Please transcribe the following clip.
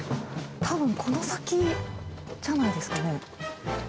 たぶんこの先じゃないですかね。